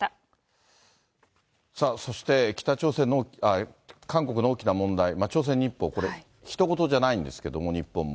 さあ、そして韓国で起きた問題、朝鮮日報、これひと事じゃないんですけども、日本も。